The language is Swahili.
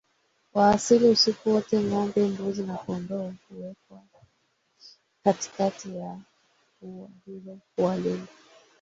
wa asili Usiku wote ngombe mbuzi na kondoo huwekwa katikati ya ua hilo kuwalinda